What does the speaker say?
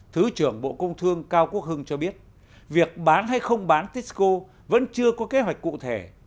thứ trưởng bộ công thương cao quốc hưng cho biết việc bán hay không bán tisco vẫn chưa có kế hoạch cụ thể